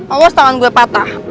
awas tangan gue patah